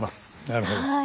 なるほど。